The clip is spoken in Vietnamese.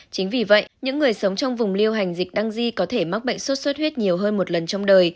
chính vì vậy những người sống trong vùng liêu hành dịch đăng di có thể mắc bệnh sốt xuất huyết nhiều hơn một lần trong đời